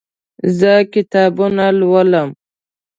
زه کتابونه لولم